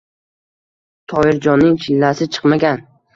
Toyirjonning chillasi chiqmagan.